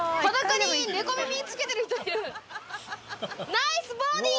ナイスボディー！